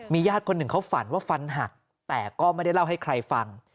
ญาติคนหนึ่งเขาฝันว่าฟันหักแต่ก็ไม่ได้เล่าให้ใครฟัง